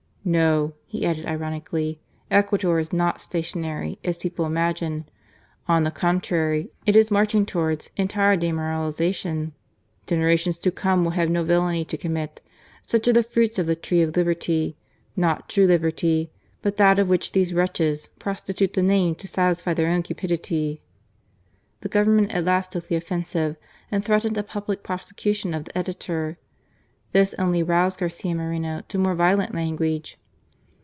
" No," he added ironically, " Ecuador is not "J5L ZURRIAGOr 29 stationary, as people imagine. On the contrary, it is marching towards entire demoralization. Genera tions to come will have no villany to commit ! Such are the fruits of the Tree of Liberty; not true liberty, but that of which these wretches prostitute the name to satisfy their own cupidity.*' The Government at last took the offensive and threatened a public prosecution of the editor. This only roused Garcia Moreno to more violent language.